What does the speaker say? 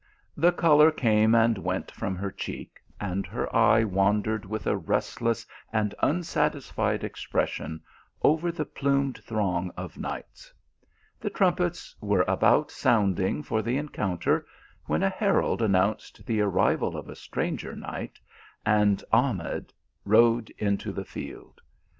The colour came and went from her cheek, and her eye wandered with a restless and unsatisfied expression over the plumed throng of knights. The trumpets were about sounding for the encounter when a herald announced the arrival of a stranger knight, and Ahmed rode into the field.